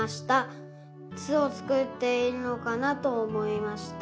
巣をつくっているのかな？と思いました」。